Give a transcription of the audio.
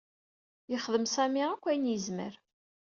Yexdem Sami akk ayen yezmer.